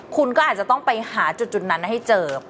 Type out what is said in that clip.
คุณก็อาจจะต้องไปหาจุดนั้นให้เจอ